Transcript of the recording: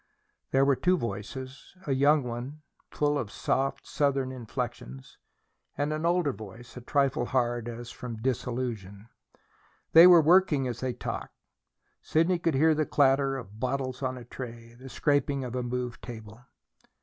There were two voices, a young one, full of soft southern inflections, and an older voice, a trifle hard, as from disillusion. They were working as they talked. Sidney could hear the clatter of bottles on the tray, the scraping of a moved table.